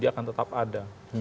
dia akan tetap ada